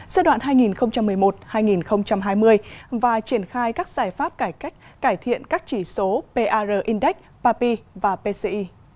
giai đoạn hai nghìn một mươi một hai nghìn hai mươi và triển khai các giải pháp cải cách cải thiện các chỉ số pr index papi và pci